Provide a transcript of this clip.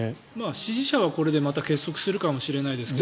支持者はこれでまた結束するかもしれないですけど。